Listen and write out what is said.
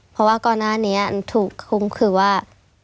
เพราะว่าก่อนหน้านี้ถูกคุ้มคือว่า